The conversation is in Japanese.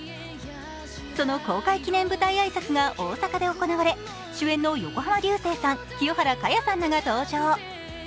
その公開記念舞台挨拶が大阪で行われ、主演の横浜流星さん、清原果耶さんらが登場。